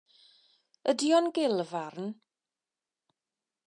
Ydy o'n gulfarn?